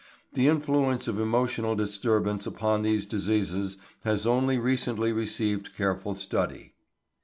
The influence of emotional disturbance upon these diseases has only recently received careful study.